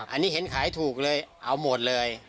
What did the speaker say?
อันนี้เห็นขายถูกเลยเอาหมดเลย